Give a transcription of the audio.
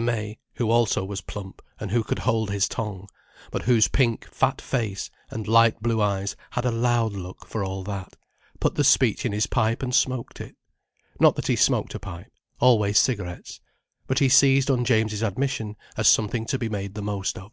May, who also was plump and who could hold his tongue, but whose pink, fat face and light blue eyes had a loud look, for all that, put the speech in his pipe and smoked it. Not that he smoked a pipe: always cigarettes. But he seized on James's admission, as something to be made the most of.